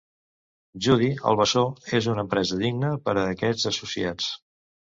Judy, el bessó, és una empresa digna per a aquests associats.